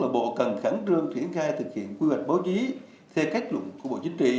bộ cần khẳng trương triển khai thực hiện quy hoạch báo chí theo cách lục của bộ chính trị